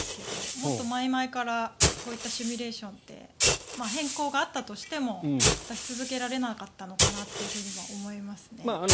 もっと前々からこういったシミュレーションって変更があったとしても出し続けられなかったのかなというふうには思いますね。